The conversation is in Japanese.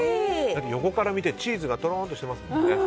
横から見てチーズがとろんとしてますよね。